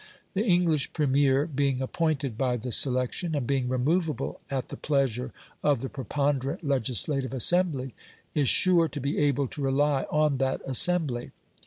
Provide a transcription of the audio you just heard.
The English Premier being appointed by the selection, and being removable at the pleasure, of the preponderant Legislative Assembly, is sure to be able to rely on that Assembly.